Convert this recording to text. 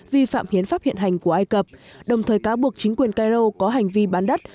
vi phạm hiến pháp hiện hành của ai cập đồng thời cáo buộc chính quyền cairo có hành vi bán đất